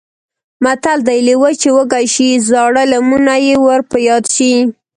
متل دی: لېوه چې وږی شي زاړه لمونه یې ور په یاد شي.